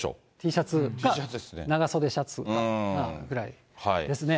Ｔシャツか長袖シャツかぐらいですね。